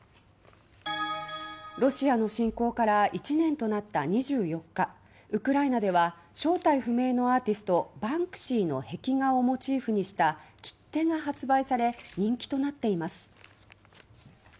ロシアの侵攻から１年となった２４日ウクライナでは正体不明のアーティストバンクシーの壁画をモチーフにした切手が発売され人気となっています。